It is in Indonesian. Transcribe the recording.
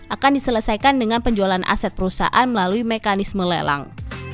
akan diselesaikan dengan penjualan aset perusahaan melalui mekanisme lelang